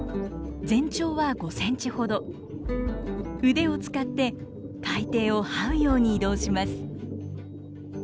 腕を使って海底をはうように移動します。